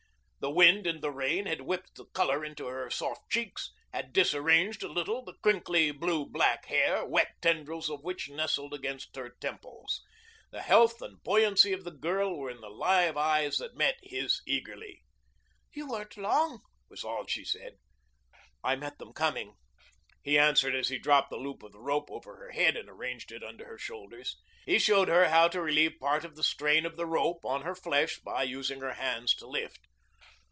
The wind and the rain had whipped the color into her soft cheeks, had disarranged a little the crinkly, blue black hair, wet tendrils of which nestled against her temples. The health and buoyancy of the girl were in the live eyes that met his eagerly. "You weren't long," was all she said. "I met them coming," he answered as he dropped the loop of the rope over her head and arranged it under her shoulders. He showed her how to relieve part of the strain of the rope on her flesh by using her hands to lift.